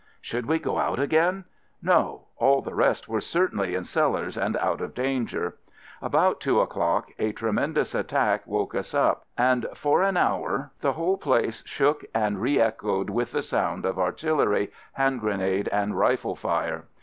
Should we go out again? No; all the rest were certainly in cellars and out of danger. About two o'clock a tremendous at tack woke us up, and for an hour the 3 <w a o x .3 o g " s W o d FIELD SERVICE 77 whole place shook and reechoed with the sound of artillery, hand grenade, and rifle fire.